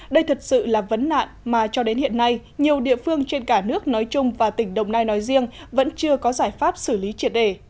đây thật sự là vấn nạn mà cho đến hiện nay nhiều địa phương trên cả nước nói chung và tỉnh đồng nai nói riêng vẫn chưa có giải pháp xử lý triệt đề